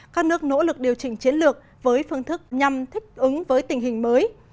các nước nỗ lực điều chỉnh chiến lược với phương thức nhằm thích ứng với tình hình mới